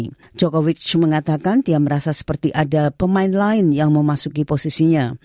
jokowi mengatakan dia merasa seperti ada pemain lain yang memasuki posisinya